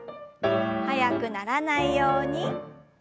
速くならないようにチョキ。